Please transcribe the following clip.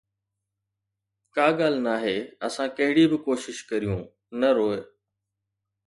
ڪا ڳالهه ناهي اسان ڪهڙي به ڪوشش ڪريون، نه روءِ